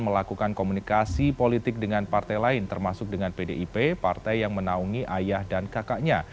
melakukan komunikasi politik dengan partai lain termasuk dengan pdip partai yang menaungi ayah dan kakaknya